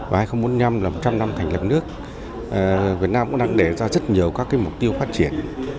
và hai nghìn bốn mươi năm là một trăm linh năm thành lập nước việt nam cũng đang để ra rất nhiều các mục tiêu phát triển